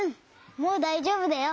もうだいじょうぶだよ。